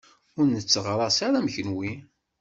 Ur netteɣraṣ ara am kenwi.